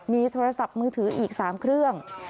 มีโทรศัพท์มือถืออีก๓เครื่อง